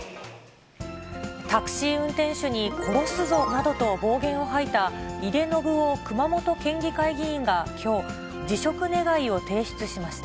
タクシー運転手に殺すぞなどと暴言を吐いた井手順雄熊本県議会議員が、きょう、辞職願を提出しました。